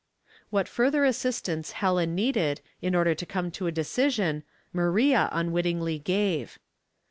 What further assistance Helen needed, in order to come to a decision, Maria unwittingly gave.